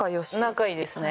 仲いいですね。